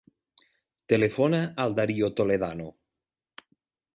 Telefona al Dario Toledano.